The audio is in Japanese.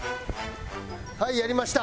はいやりました。